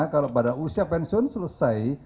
kalau pada usia pensiun selesai